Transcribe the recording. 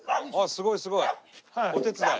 すごいすごい。お手伝い。